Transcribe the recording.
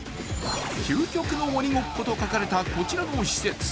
究極の鬼ごっこと書かれたこちらの施設。